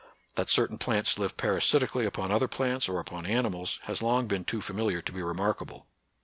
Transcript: That certain plants live parasitically upon other plants or upon animals, has long been too familiar to be remarkable.